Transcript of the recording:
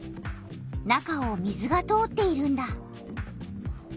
中を水が通っているんだ。